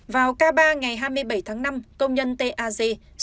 vào k ba ngày hai mươi bảy tháng năm công nhân t a g